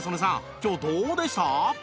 今日どうでした？